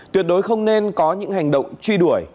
tuyệt đối không nên có những hành động truy đuổi